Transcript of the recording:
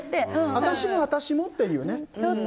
私も私もっていうね。